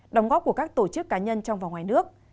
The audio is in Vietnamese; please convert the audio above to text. đóng góp của các tổ chức cá nhân trong và ngoài nước